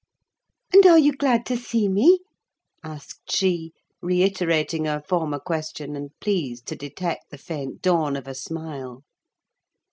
"And are you glad to see me?" asked she, reiterating her former question, and pleased to detect the faint dawn of a smile.